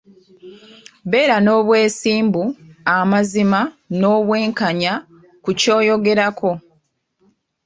Beera n'obwesimbu, amazima n'obwenkanya ku ky'oyogerako.